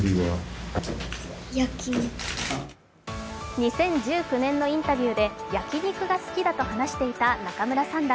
２０１９年のインタビューで焼き肉が好きだと話していた仲邑三段。